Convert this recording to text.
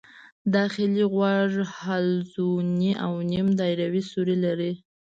داخلي غوږ حلزوني او نیم دایروي سوري لري.